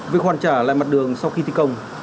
việc hoàn trả lại mặt đường sau khi thi công